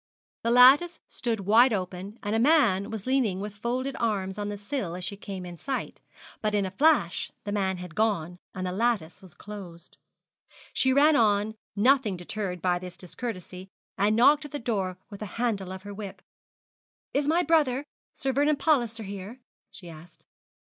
The lattice stood wide open, and a man was leaning with folded arms on the sill as she came in sight, but in a flash the man had gone, and the lattice was closed. She ran on, nothing deterred by this discourtesy, and knocked at the door with the handle of her whip. 'Is my brother, Sir Vernon Palliser, here?' she asked.